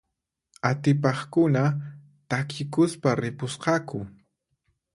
Atipaqkuna takikuspa ripusqaku.